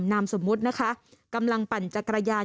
นามสมมุตินะคะกำลังปั่นจักรยาน